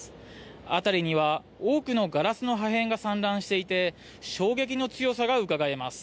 辺りには多くのガラスの破片が散乱していて衝撃の強さがうかがえます。